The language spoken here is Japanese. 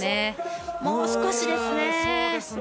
もう少しですね。